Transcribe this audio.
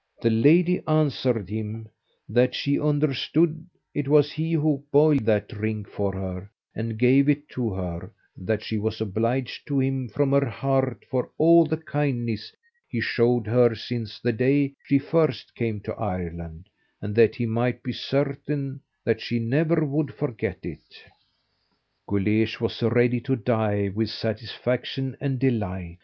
The lady answered him that she understood it was he who boiled that drink for her, and gave it to her; that she was obliged to him from her heart for all the kindness he showed her since the day she first came to Ireland, and that he might be certain that she never would forget it. Guleesh was ready to die with satisfaction and delight.